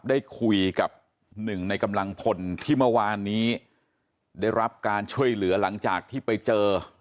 ได้คุยกับหนึ่งในกำลังพลที่เมื่อวานนี้ได้รับการช่วยเหลือหลังจากที่ไปเจอ